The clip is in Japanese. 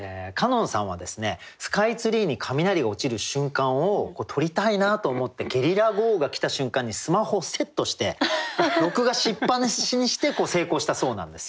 ｃａｎｏｎさんはスカイツリーに雷が落ちる瞬間を撮りたいなと思ってゲリラ豪雨が来た瞬間にスマホをセットして録画しっぱなしにして成功したそうなんですよ。